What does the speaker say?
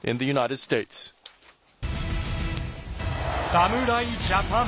侍ジャパン。